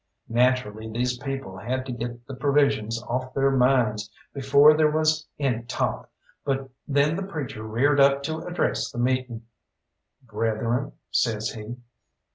Naturally these people had to get the provisions off their minds before there was any talk, but then the preacher reared up to address the meeting. "Brethren " says he.